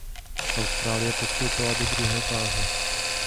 Austrálie postoupila do druhé fáze.